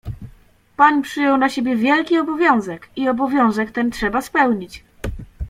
"Pan przyjął na siebie wielki obowiązek i obowiązek ten trzeba spełnić."